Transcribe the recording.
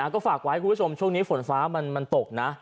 ก็ฝากไว้คุณผู้ชมช่วงนี้ฝนฟ้ามันตกนะ